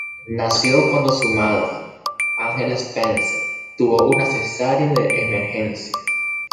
Nació cuando su madre, Angela Spencer, tuvo una cesárea de emergencia.